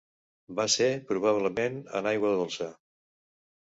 Va ser, probablement, en aigua dolça.